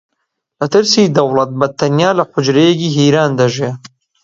لە ترسی دەوڵەت بە تەنیا لە حوجرەیەکی هیران دەژیا